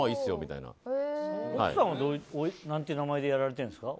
奥さんはどういう名前でやられてるんですか？